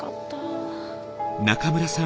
中村さん